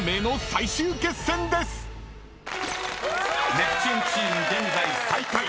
［ネプチューンチーム現在最下位。